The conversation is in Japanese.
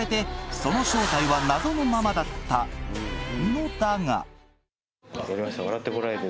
その正体は謎のままだったのだが